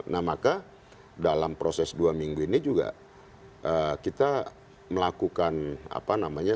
nah maka dalam proses dua minggu ini juga kita melakukan apa namanya